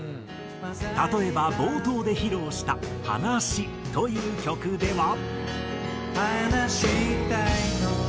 例えば冒頭で披露した『ｈａｎａｓｈｉ』という曲では。